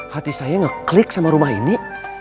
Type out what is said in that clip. hati saya ngeklik sama rumah ini